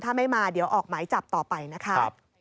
ถ้าไม่มาเดี๋ยวออกหมายจับต่อไปนะคะ